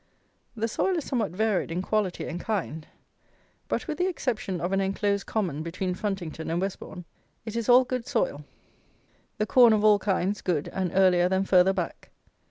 The soil is somewhat varied in quality and kind; but with the exception of an enclosed common between Funtington and Westbourn, it is all good soil. The corn of all kinds good and earlier than further back.